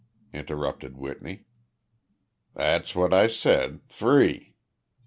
interrupted Whitney. "That's what I said t'ree!